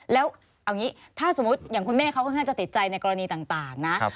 แล้วเอาอย่างนี้ถ้าสมมุติอย่างคุณแม่เขาค่อนข้างจะติดใจในกรณีต่างนะ